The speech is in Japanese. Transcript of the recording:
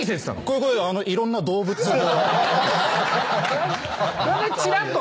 いろんな動物が。